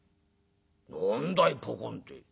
「何だい『ポコン』って？